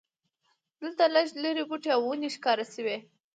دلته لږ لرې بوټي او ونې ښکاره شوې.